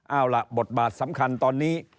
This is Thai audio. เอาล่ะบทบาทสำคัญตอนนี้